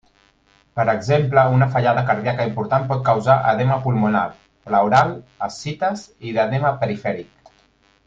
Per exemple, una fallada cardíaca important pot causar edema pulmonar, pleural, ascites i edema perifèric.